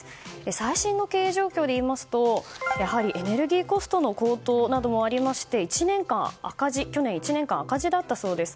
最新の経営状況で言いますとやはりエネルギーコストの高騰などもありまして去年１年間、赤字だったそうです。